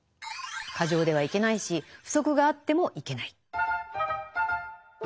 過剰ではいけないし不足があってもいけない。